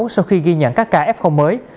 sau khi ghi nhận các kf mới